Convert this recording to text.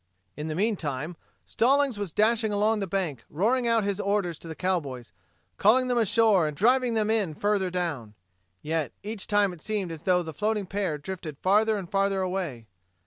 In the meantime, Stallings was dashing along the bank roaring out his orders to the cowboys, calling them ashore and driving them in further down. Yet, each time it seemed as though the floating pair drifted farther and farther away.